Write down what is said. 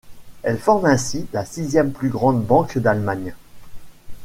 Elle forme ainsi la sixième plus grande banque d'Allemagne.